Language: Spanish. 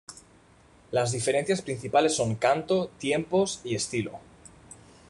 Las diferencias principales son canto, tiempos y estilo.